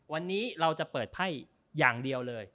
วันนี้เราจะเปิดไพ่อย่างเดียวเลย